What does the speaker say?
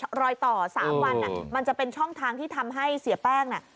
รอยต่อ๓วันมันจะเป็นช่องทางที่ทำให้เสียแป้งน่ะ